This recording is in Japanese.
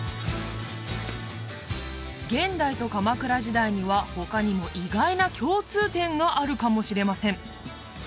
現代と鎌倉時代には他にも意外な共通点があるかもしれません